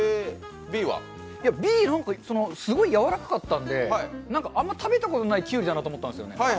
Ｂは、何かすごいやわらかかったので、あんま食べたことないきゅうりだなと思ったんで。